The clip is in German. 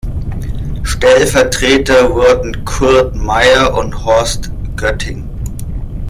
Stellvertreter wurden Kurt Meyer und Horst Götting.